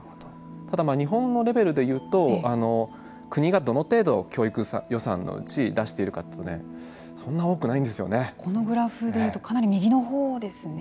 ただ、日本のレベルでいうと国がどの程度、教育予算のうち出しているかというとこのグラフでいうとかなり右のほうですね。